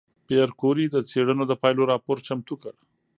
پېیر کوري د څېړنو د پایلو راپور چمتو کړ.